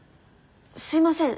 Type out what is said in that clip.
すいません。